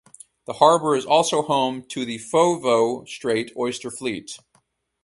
The harbour is also home to the Foveaux Strait oyster fleet.